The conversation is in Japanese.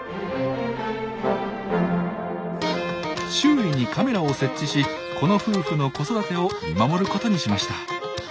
周囲にカメラを設置しこの夫婦の子育てを見守ることにしました。